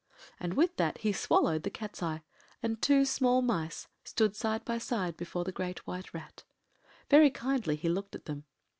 ” And with that he swallowed the Cat’s eye, and two small mice stood side by side before the Great White Rat. Very kindly he looked at them.